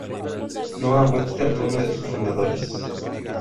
Noah Webster fue uno de sus fundadores.